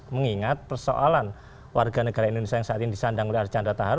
mengingat persoalan warga negara indonesia yang saat ini disandang oleh archandra tahar